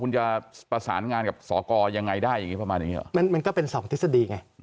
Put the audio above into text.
คุณจะประสานงานกับสอกรยังไงได้อย่างงี้ประมาณอย่างงีหรอมันมันก็เป็นสองทฤษฎีไง